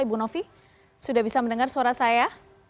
ibu novi sudah bisa mendengar suara saya